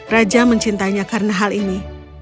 raja mencintainya karena hal ini